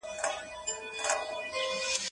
دی په داسې حال کې و چې خپل غږ یې اورېده.